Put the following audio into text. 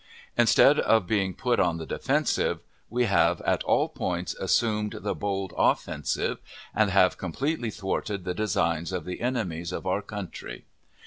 Instead of being put on the defensive, we have at all points assumed the bold offensive, and have completely thwarted the designs of the enemies of our country.